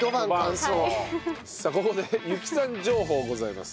さあここで友紀さん情報ございます。